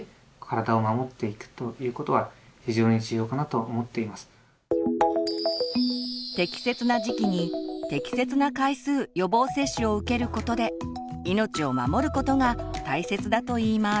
その時にもですね適切な時期に適切な回数予防接種を受けることで命を守ることが大切だといいます。